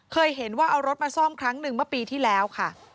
เคยเห็นว่าเอารถมาซ่อมครั้งหนึ่งเมื่อปีที่แล้วค่ะ